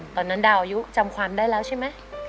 ตอนนั้นดาวอายุจำความได้แล้วใช่ไหม